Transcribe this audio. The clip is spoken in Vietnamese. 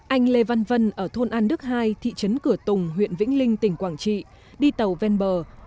anh lê văn vân ở thôn an đức hai thị trấn cửa tùng huyện vĩnh linh tỉnh quảng trị đi tàu ven bờ